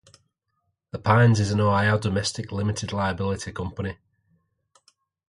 The Pines is an Ohio Domestic Limited-Liability Company.